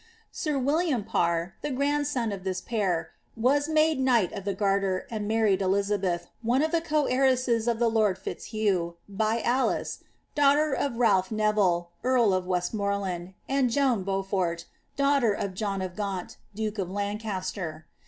Sir William Parr, the grandson c( thif pair, was made knight of the Garter, and manied Elizabeth, one of the coheiresses of the lord Fitzhugh, by Alice, daughter of Ralph Neville, earl of Westmoreland, and Joan Beaufort, daughter of John of Gaunt, duke of Lancaster.